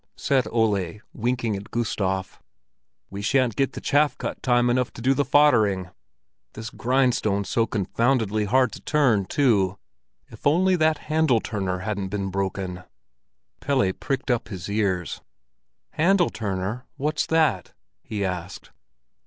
said Ole, winking at Gustav. "We shan't get the chaff cut time enough to do the foddering. This grindstone's so confoundedly hard to turn, too. If only that handle turner hadn't been broken!" Pelle pricked up his ears. "Handle turner? What's that?" he asked.